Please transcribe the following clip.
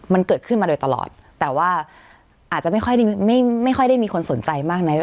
มันเกิดขึ้นมาโดยตลอดแต่ว่าอาจจะไม่ค่อยได้มีคนสนใจมากนะ